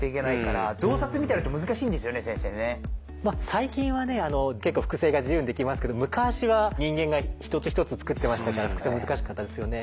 最近はね結構複製が自由にできますけど昔は人間が一つ一つ作ってましたから複製は難しかったですよね。